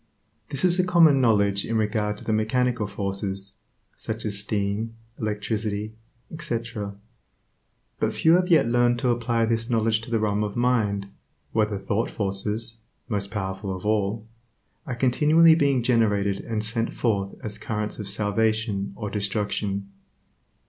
This is a common knowledge in regard to the mechanical forces, such as steam, electricity, etc., but few have yet learned to apply this knowledge to the realm of mind, where the thought forces (most powerful of all) are continually being generated and sent forth as currents of salvation or destruction.